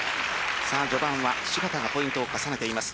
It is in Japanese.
序盤は芝田がポイントを重ねています。